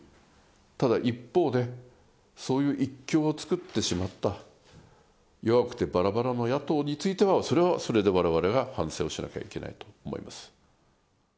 ただ一方で、そういう一強を作ってしまった弱くてばらばらの野党については、それはそれで、われわれは反省をしなきゃいけないと思います。